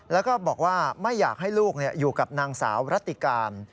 แล้วก็บอกว่าไม่อยากให้ลูกอยู่กับนางสาวรัติการ